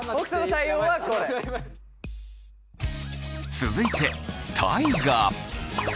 続いて大我。